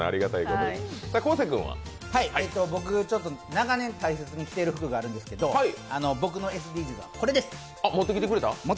長年、大切にしてる服があるんですけど僕のＳＤＧｓはこれです。